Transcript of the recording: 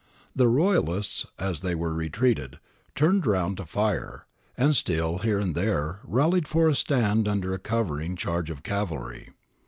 The Royalists, as they retreated, turned round to fire, and still here and there rallied for a stand under a covering charge of cavalry.